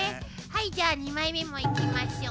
はいじゃあ２枚目もいきましょう。